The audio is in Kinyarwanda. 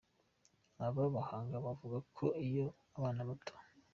Aba bahanga bavuga ko iyo abana bato.